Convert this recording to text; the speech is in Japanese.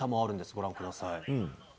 ご覧ください。